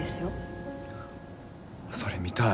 それ見たい。